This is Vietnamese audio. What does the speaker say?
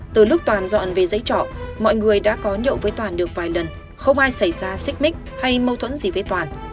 từ lúc toàn dọn về giấy trọ mọi người đã có nhậu với toàn được vài lần không ai xảy ra xích mích hay mâu thuẫn gì với toàn